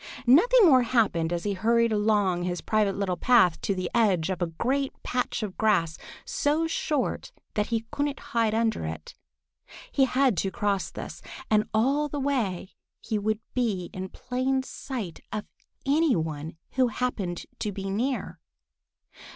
Nothing more happened as he hurried along his private little path to the edge of a great patch of grass so short that he couldn't hide under it. He had got to cross this, and all the way he would be in plain sight of any one who happened to be near.